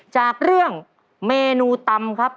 จากเรื่องเมนูตำครับ